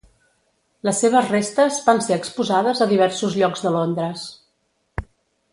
Les seves restes van ser exposades a diversos llocs de Londres.